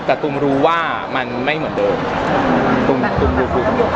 แต่ตุ้มรู้ว่ามันไม่เหมือนเดิมตุ้มตุ้มดูฟุม